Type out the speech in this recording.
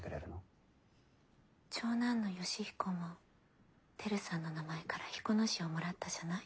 長男の義彦も輝さんの名前から彦の字をもらったじゃない。